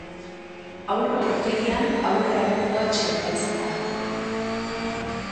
Aurre aurpegian aurre arkua txertatzen da.